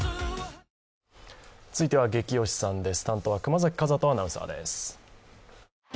続いては「ゲキ推しさん」です。